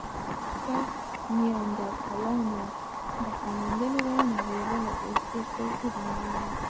که نیاندرتالانو بقا موندلې وی، نړۍ به له اوس ډېر توپیر لرلی.